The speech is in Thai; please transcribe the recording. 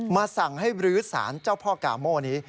สั่งให้บรื้อสารเจ้าพ่อกาโม่นี้